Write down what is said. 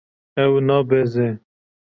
Ew nabeze.